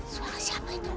suara siapa itu